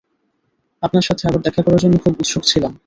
আপনার সাথে আবার দেখা করার জন্য খুব উৎসুক ছিলাম।